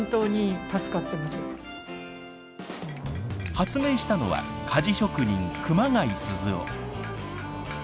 発明したのは鍛冶職人熊谷鈴男。